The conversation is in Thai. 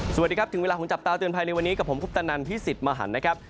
สวัสดีครับถึงเวลาของจับตาเตือนภัยในวันนี้กับผมคุปตนันพี่สิทธิ์มหันนะครับ